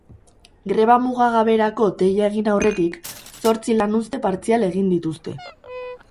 Greba mugagaberako deia egin aurretik, zortzi lanuzte partzial egin dituzte.